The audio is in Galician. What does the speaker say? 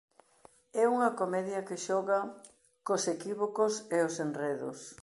É unha comedia que xoga cos equívocos e os enredos.